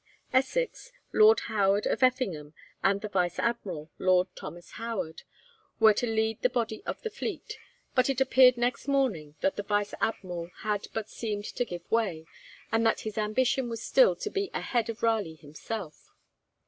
Essex, Lord Howard of Effingham, and the Vice Admiral, Lord Thomas Howard, were to lead the body of the fleet; but it appeared next morning that the Vice Admiral had but seemed to give way, and that his ambition was still to be ahead of Raleigh himself.